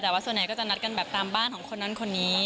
แต่ว่าส่วนใหญ่ก็จะนัดกันแบบตามบ้านของคนนั้นคนนี้